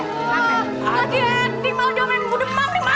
nggak di acting mau jualan budemang nih ma